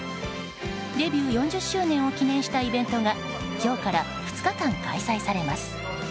デビュー４０周年を記念したイベントが今日から２日間、開催されます。